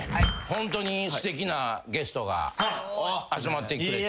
ホントにすてきなゲストが集まってくれて。